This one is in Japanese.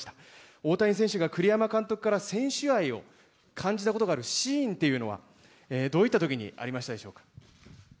大谷選手が栗山監督から選手愛を感じたことがあるシーンっていうのは、どういったときにありましたでしょうか。